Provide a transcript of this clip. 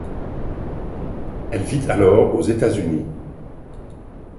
Elle vit alors aux États-Unis.